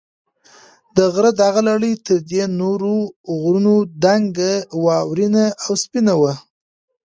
د غره دغه لړۍ تر دې نورو غرونو دنګه، واورینه او سپینه وه.